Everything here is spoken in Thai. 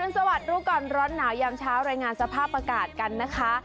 สวัสดีรู้ก่อนร้อนหนาวยามเช้ารายงานสภาพอากาศกันนะคะ